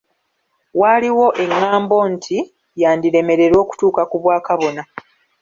Waaliwo engambo nti yandiremererwa okutuuka ku bwa kabona.